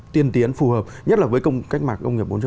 tiên tiến phù hợp nhất là với cách mạng công nghiệp bốn